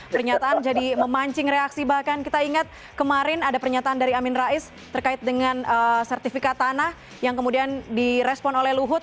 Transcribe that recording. pernyataan jadi memancing reaksi bahkan kita ingat kemarin ada pernyataan dari amin rais terkait dengan sertifikat tanah yang kemudian direspon oleh luhut